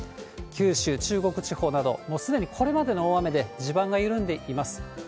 九州、中国地方など、もうすでにこれまでの大雨で地盤が緩んでいます。